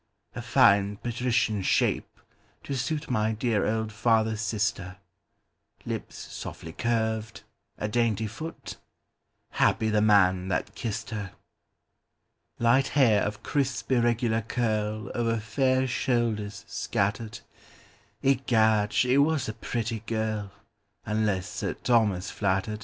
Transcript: A fine patrician shape, to suitMy dear old father's sister—Lips softly curved, a dainty foot; Happy the man that kissed her! Light hair of crisp irregular curlOver fair shoulders scattered—Egad, she was a pretty girl, Unless Sir Thomas flattered!